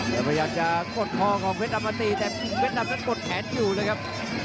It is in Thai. ดึงแล้วเติมด้วย๒ครับ